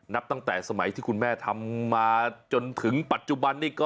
นับตั้งแต่สมัยที่คุณแม่ทำมาจนถึงปัจจุบันนี้ก็